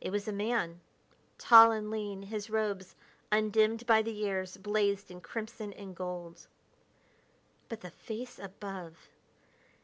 It was a man, tall and lean, his robes, undimmed by the years, blazed in crimson and gold. But the face above!